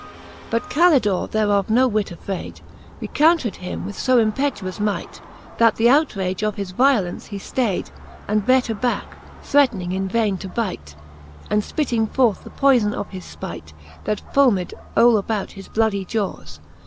XXIX. But Calidore thereof no whit afrayd, Rencountred him with fo impetuous might, That th' outrage of his violence he ftayd. And bet abacke, threatning in vaine to bite. And fpitting forth the poyfon of his fpight. That fomed all about his bloody jawes.